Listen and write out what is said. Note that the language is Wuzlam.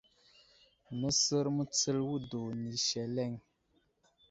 Nəsər mətsəl wədo ni seleŋ.